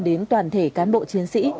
đến toàn thể cán bộ chiến sĩ